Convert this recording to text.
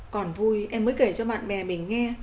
còn vui em mới kể cho bạn bè mình nghe